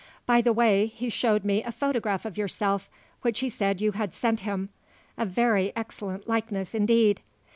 By the way, he showed me a photograph of yourself, which he said you had sent him. A very excellent likeness, indeed.